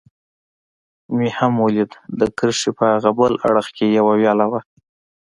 مې هم ولید، د کرښې په هاغه بل اړخ کې یوه ویاله وه.